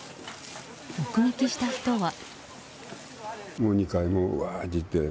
目撃した人は。